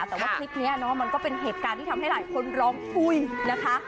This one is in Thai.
แต่ว่าคลิปนี้เนาะมันก็เป็นเหตุการณ์ที่ทำให้หลายคนร้องอุ้ยนะคะ